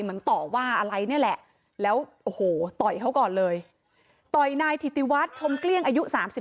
มันต่อว่าอะไรเนี่ยแหละแล้วโอหูต่อเขาก่อนเลยต่อยนายทิตย์วัสชมเกลี้ยงอายุ